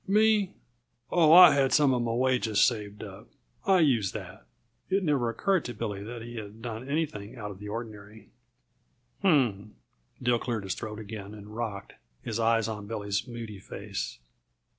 "Me? Oh, I had some uh my wages saved up. I used that." It never occurred to Billy that he had done anything out of the ordinary. "H m m!" Dill cleared his throat again and rocked, his eyes on Billy's moody face.